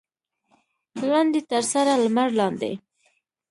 لاندې تر سره لمر لاندې.